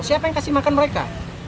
siapa yang kasih makan mereka